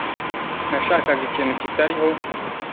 Nashakaga ikintu kitariho